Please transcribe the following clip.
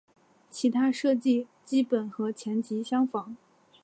其他设计基本和前级相仿。